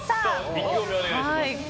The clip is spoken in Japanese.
意気込みをお願いします。